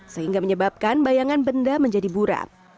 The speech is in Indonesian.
sehingga menyebabkan bayangan benda menjadi buram